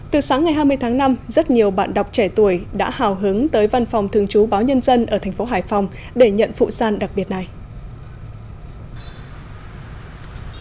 từ sáng ngày hai mươi tháng năm rất nhiều bạn đọc trẻ tuổi đã hào hứng tới văn phòng thường trú báo nhân dân ở thành phố hải phòng để nhận phụ sàn đặc biệt này